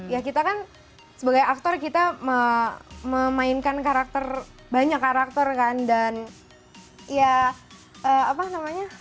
ya kita kan sebagai aktor kita memainkan karakter banyak karakter kan dan ya apa namanya